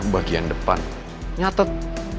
bagian depan nyatet